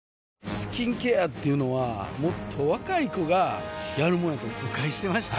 スキンケアっていうのはもっと若い子がやるもんやと誤解してました